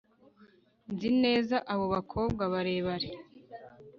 Nzi neza abo bakobwa barebare